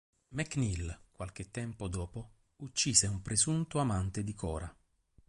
McNeil, qualche tempo dopo, uccise un presunto amante di Cora.